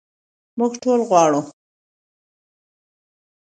موږ ټول غواړو.